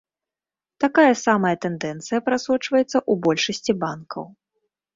Такая сама тэндэнцыя прасочваецца ў большасці банкаў.